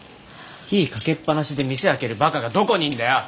火かけっ放しで店空けるバカがどこにいんだよ！